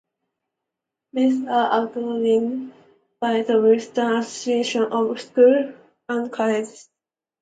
Mesa is accredited by the Western Association of Schools and Colleges.